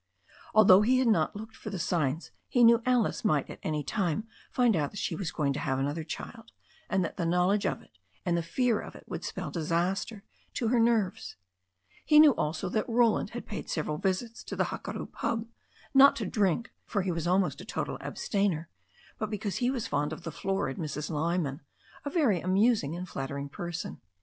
Although he had not looked for signs he knew Alice might at any time find out that she was going to have another child, and that the knowledge of it and the fear of it would spell disaster to her nerves. He knew, also, that Roland had paid several visits to the Hakaru pub, not to drink, for he was almost a total abstainer, but because he found the florid Mrs. Lyman a very amusing and flattering person.